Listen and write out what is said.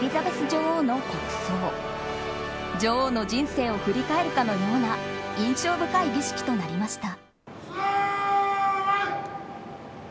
女王の人生を振り返るかのような印象深い儀式となりました。